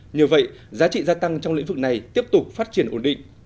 nhờ vậy giá trị gia tăng trong lĩnh vực này tiếp tục phát triển ổn định